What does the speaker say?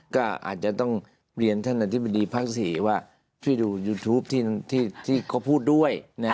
ก็อาจจะต้องเรียนท่านอธิบดีภาค๔ว่าช่วยดูยูทูปที่เขาพูดด้วย